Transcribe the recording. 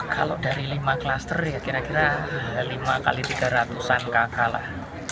kalau dari lima klaster ya kira kira lima kali tiga ratusan kakak